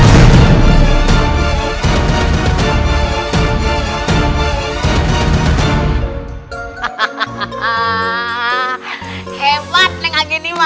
hahaha hebatnya gini mah bisa ketutupan jadi dia nggak bisa masuknya